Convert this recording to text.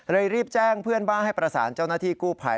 รีบแจ้งเพื่อนบ้านให้ประสานเจ้าหน้าที่กู้ภัย